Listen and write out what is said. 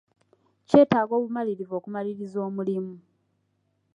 Kyetaaga obumalirivu okumaliriza omulimu.